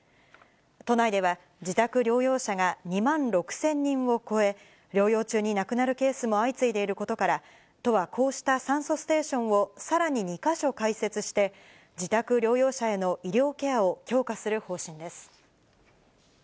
都内では自宅療養者が２万６０００人を超え、療養中に亡くなるケースも相次いでいることから、都はこうした酸素ステーションをさらに２か所開設して、自宅療養者への医療ケアを強化する方針です。